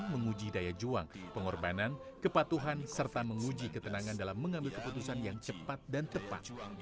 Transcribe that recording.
menguji daya juang pengorbanan kepatuhan serta menguji ketenangan dalam mengambil keputusan yang cepat dan tepat